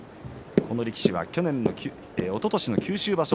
この力士はおととしの九州場所